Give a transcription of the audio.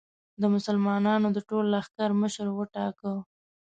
د مسلمانانو د ټول لښکر مشر وټاکه.